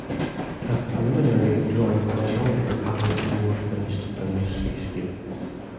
A preliminary drawing for a wallpaper pattern is more finished than this seascape.